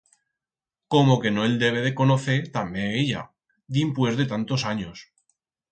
Como que no el debe de conocer tamé ella, dimpués de tantos anyos!